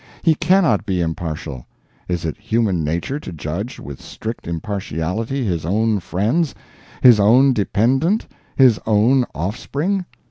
He cannot be impartial—is it human nature to judge with strict impartiality his own friends, his own dependent, his own offspring?